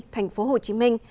thành phố hồ chí minh